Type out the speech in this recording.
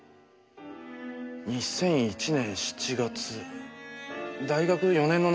２００１年７月大学４年の夏か。